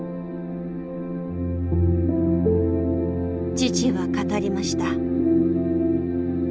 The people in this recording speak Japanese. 父は語りました。